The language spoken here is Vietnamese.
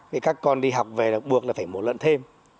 vì các con đi học về là buộc là phải một lần thêm